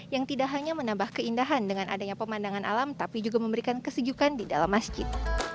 yang tidak hanya menambah keindahan dengan adanya pemandangan alam tapi juga memberikan kesejukan di dalam masjid